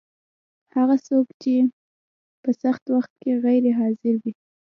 هغه څوک چې په سخت وخت کي غیر حاضر وي